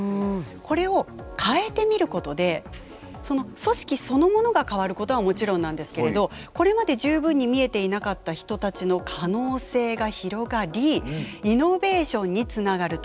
これを変えてみることでその組織そのものが変わることはもちろんなんですけれどこれまで十分に見えていなかった人たちの可能性が広がりイノベーションにつながると。